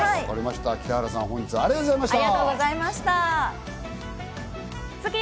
北原さん、本日はありがとうございました。